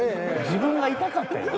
自分が痛かったやろ。